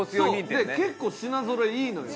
で結構品ぞろえいいのよ。